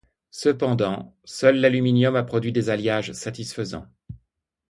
Cependant, seul l'aluminium a produit des alliages satisfaisant.